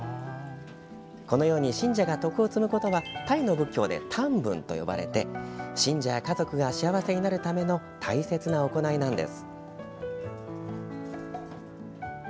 このように信者が徳を積むことはタイの仏教でタンブンと呼ばれて信者や家族が幸せになるための大切な行いなんです。